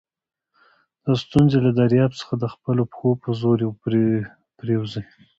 د ستونزي له دریاب څخه د خپلو پښو په زور پورېوځئ!